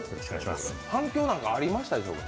反響なんかはありましたでしょうか？